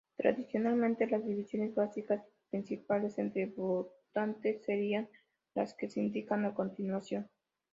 Tradicionalmente, las divisiones básicas principales entre votantes serían las que se indican a continuación.